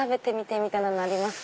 みたいなのありますか？